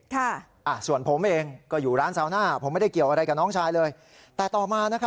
และส่วนต่ำผมก็ไปร้านเซียโป้สังตัวเองแต่น้องชายคือผู้อีก๑๙คน